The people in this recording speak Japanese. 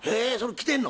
来てんの？